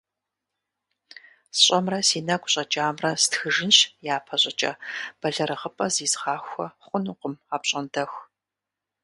СщӀэмрэ си нэгу щӀэкӀамрэ стхыжынщ япэщӀыкӀэ – бэлэрыгъыпӀэ зизгъахуэ хъунукъым апщӀондэху…